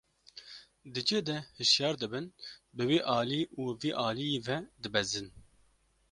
Di cih de hişyar dibin, bi wî alî û vî aliyî ve dibezin.